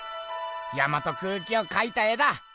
山と空気を描いた絵だ。